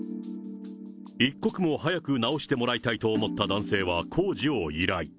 一刻も早く直してもらいたいと思った男性は、工事を依頼。